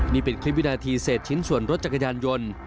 นี่เป็นคลิปวินาทีเศษชิ้นส่วนรถจักรยานยนต์